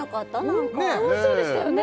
何か楽しそうでしたよね